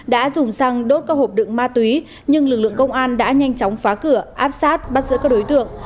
đã dùng xăng đốt các hộp đựng ma túy nhưng lực lượng công an đã nhanh chóng phá cửa áp sát bắt giữ các đối tượng